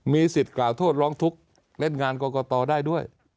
มีสิทธิ์กล่าวโทษร้องทุกข์เล่นงานกรกตได้ด้วย